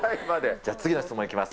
じゃあ、次の質問いきます。